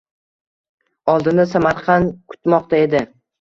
Oldinda Samarqand kutmoqda edi.